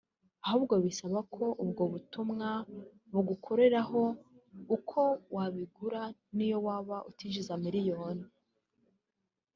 ahubwo bisaba ko ubwo butumwa bugukoraho ukaba wabigura niyo waba utinjiza za miliyoni